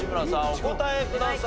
お答えください。